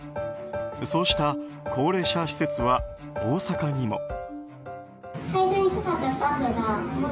そうした高齢者施設は大阪にも。